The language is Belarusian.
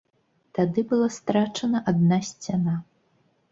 Тады была страчана адна сцяна.